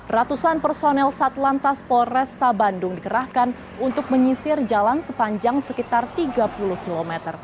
ratusan personel satlantas polresta bandung dikerahkan untuk menyisir jalan sepanjang sekitar tiga puluh km